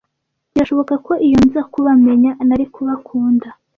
Birashoboka ko iyo nza kubamenya nari kubakunda,